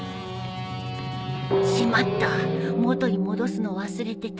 しまった元に戻すの忘れてた